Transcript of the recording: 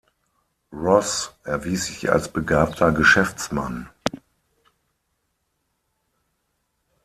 Ross erwies sich als begabter Geschäftsmann.